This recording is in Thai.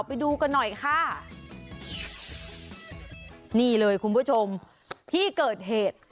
ไปดูกันหน่อยค่ะนี่เลยคุณผู้ชมที่เกิดเหตุ